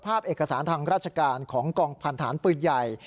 ภาพเอกสารทางราชการของกองพันธารปืนใหญ่